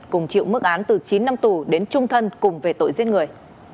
cùng chịu mức án từ chín năm tù đến trung thân cùng về tội giết người